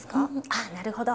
ああなるほど。